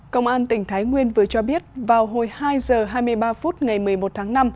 công an tỉnh thái nguyên vừa cho biết vào hồi hai h hai mươi ba phút ngày một mươi một tháng năm